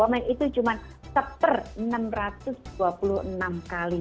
komen itu cuma seper enam ratus dua puluh enam kali